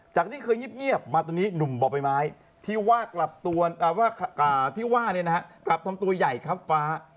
ที่เคยเงียบมาตอนนี้หนุ่มบ่อใบไม้ที่ว่าที่ว่ากลับทำตัวใหญ่ครับฟ้า